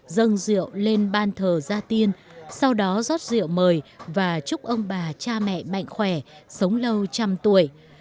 dâng rượu lên bàn thờ gia tiên sau đó rót rượu mời và chúc ông bà cha mẹ mạnh khỏe sống lâu trăm tuổi